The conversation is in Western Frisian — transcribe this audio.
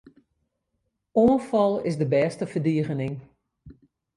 Oanfal is de bêste ferdigening.